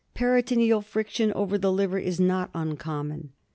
Peritoneal friction over the liver is not uncommon.